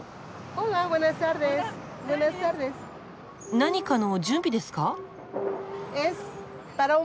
何かの準備ですか？